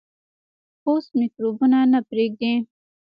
پوست میکروبونه نه پرېږدي.